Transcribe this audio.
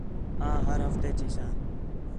آں ہر ہفتے چیساں